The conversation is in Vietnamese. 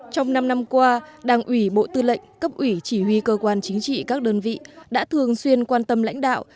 trong năm năm qua đảng ủy bộ tư lệnh cấp ủy chỉ huy cơ quan chính trị các đơn vị đã thường xuyên quan tâm lãnh đạo